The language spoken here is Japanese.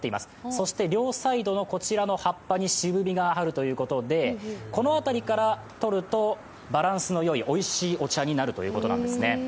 そして両サイドのこちらの葉っぱに渋みがあるということでこの辺りからとるとバランスのよいおいしいお茶になるということなんですね。